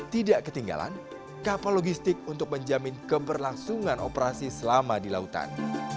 tidak ketinggalan kapal logistik untuk menjamin keberlangsungan operasi selama di lautan